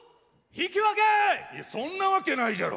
いやそんなわけないじゃろ。